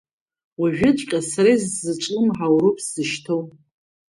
Уажәыҵәҟьа сара исызҿлымҳау роуп сзышьҭоу…